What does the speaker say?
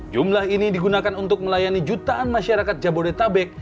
jumlah ini digunakan untuk melayani jutaan masyarakat jabodetabek